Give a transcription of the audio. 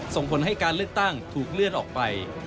ส่งผลให้การเลือกตั้งถูกเลื่อนออกไป